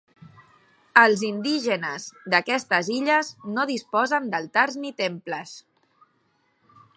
Els indígenes d'aquestes illes no disposen d'altars ni temples.